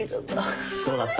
どうだった？